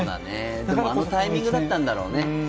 でも、あのタイミングだったんだろうね。